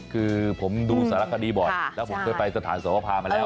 คือผมดูสารคดีบ่อยแล้วผมเคยไปสถานสวภามาแล้ว